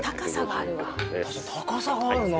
高さがあるわ。